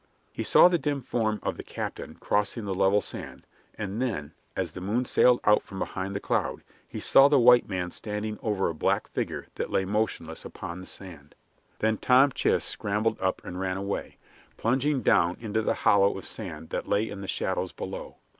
He saw the dim form of the captain crossing the level sand, and then, as the moon sailed out from behind the cloud, he saw the white man standing over a black figure that lay motionless upon the sand. Then Tom Chist scrambled up and ran away, plunging down into the hollow of sand that lay in the shadows below.